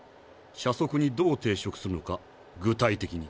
社則にどう抵触するのか具体的に。